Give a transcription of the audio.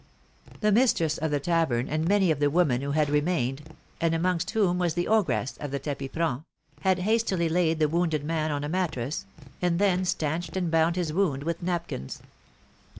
The mistress of the tavern and many of the women who had remained (and amongst whom was the ogress of the tapis franc) had hastily laid the wounded man on a mattress, and then stanched and bound his wound with napkins.